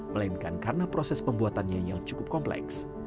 melainkan karena proses pembuatannya yang cukup kompleks